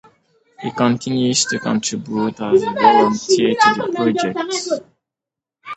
He continues to contribute as a volunteer to the project.